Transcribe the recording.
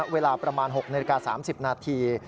เวลาประมาณ๖นาฬิกา๓๐นาที